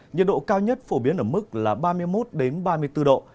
nhiệt độ cao nhất phổ biến ở mức là ba mươi một ba mươi bốn độ